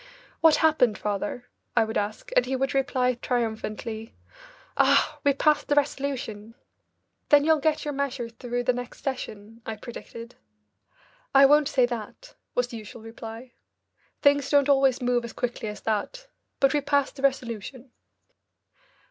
"What happened, father?" I would ask, and he would reply triumphantly, "Ah! We passed the resolution." "Then you'll get your measure through the next session," I predicted. "I won't say that," was the usual reply. "Things don't always move as quickly as that. But we passed the resolution."